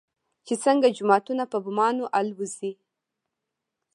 چې څنگه جوماتونه په بمانو الوزوي.